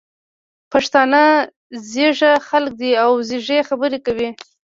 پښتانه ځيږه خلګ دي او ځیږې خبري کوي.